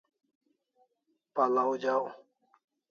Pal'aw jaw